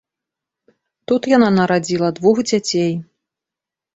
Тут яна нарадзіла двух дзяцей.